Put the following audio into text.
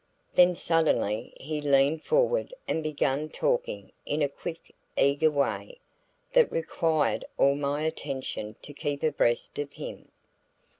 Then suddenly he leaned forward and began talking in a quick, eager way, that required all my attention to keep abreast of him.